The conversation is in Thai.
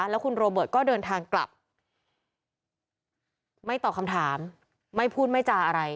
แล้วคุณโรเบิร์ตก็เดินทางกลับไม่ตอบคำถามไม่พูดไม่จาอะไร